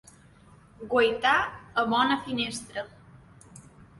Guaitar a bona finestra.